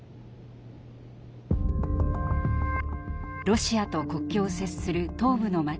ロシアと国境を接する東部の街